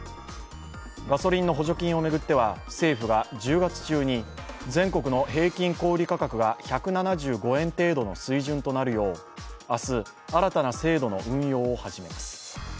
ガソリンの補助金を巡っては政府が１０月中に全国の平均小売価格が１７５円程度の水準となるよう明日、新たな制度の運用を始めます。